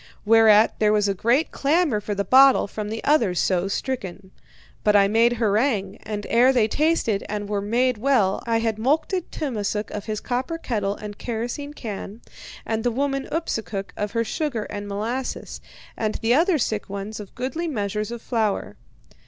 Whereat there was a great clamour for the bottle from the others so stricken. But I made harangue, and ere they tasted and were made well I had mulcted Tummasook of his copper kettle and kerosene can, and the woman Ipsukuk of her sugar and molasses, and the other sick ones of goodly measures of flour.